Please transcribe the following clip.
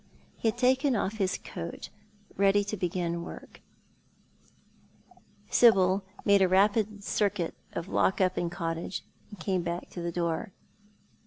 He had taken off his coat, ready to begin work. Sibyl made 150 Thou art the Man. a rapid circuit of lock up and cottage, and came back to the door.